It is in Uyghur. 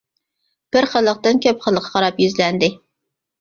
بىر خىللىقتىن كۆپ خىللىققا قاراپ يۈزلەندى.